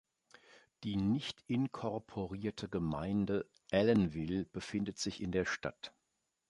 Die nicht inkorporierte Gemeinde Allenville befindet sich in der Stadt.